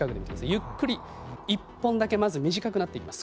ゆっくり１本だけまず短くなっていきます。